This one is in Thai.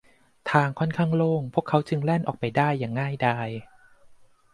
ทางค่อนข้างโล่ง พวกเขาจึงแล่นออกไปได้อย่างง่ายดาย